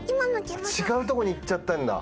違うとこに行っちゃったんだ。